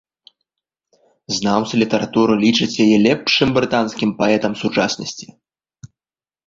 Знаўцы літаратуры лічаць яе лепшым брытанскім паэтам сучаснасці.